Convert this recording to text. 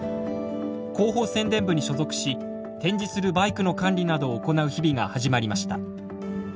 広報宣伝部に所属し展示するバイクの管理などを行う日々が始まりました。